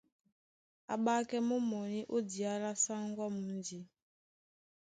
A ́ɓákɛ́ mú mɔní ó diá lá sáŋgó á mundi.